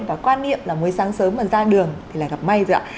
và quan niệm là mới sáng sớm mà ra đường thì lại gặp may rồi ạ